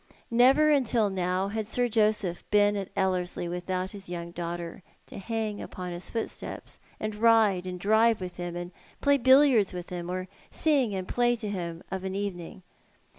Never until now had Sir Josiph been at Ellcrslie without his young daughter to hung upon his footsteps, aud ride and drive with him, and play billiards with him, oc sing and play to him of an evening.